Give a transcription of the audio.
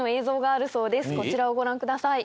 こちらをご覧ください。